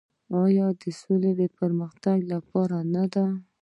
آیا د سولې او پرمختګ لپاره نه ده؟